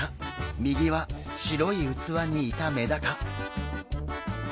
右は白い器にいたメダカ。